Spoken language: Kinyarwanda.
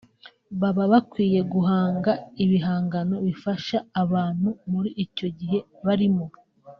baba bakwiye guhanga ibihangano bifasha abantu muri icyo gihe barimo